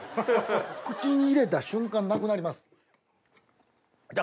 口に入れた瞬間なくなります。